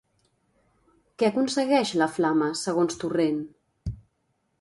Què aconsegueix la Flama, segons Torrent?